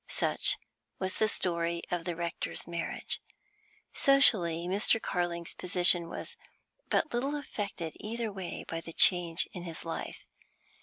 Such was the story of the rector's marriage. Socially, Mr. Carling's position was but little affected either way by the change in his life.